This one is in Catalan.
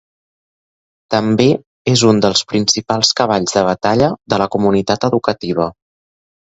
També és un dels principals cavalls de batalla de la comunitat educativa.